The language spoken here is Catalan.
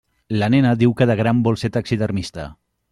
La nena diu que de gran vol ser taxidermista.